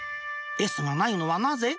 Ｓがないのはなぜ？